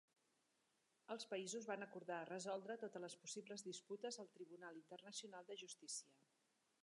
Els països van acordar resoldre totes les possibles disputes al Tribunal Internacional de Justícia.